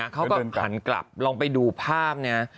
เขาก็หันกลับลองไปดูภาพเนี่ย